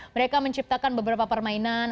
mereka menciptakan beberapa permainan